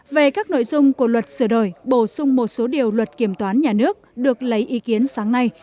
về các nội dung của luật sửa đổi bổ sung một số điều luật kiểm toán nhà nước được lấy ý kiến sáng nay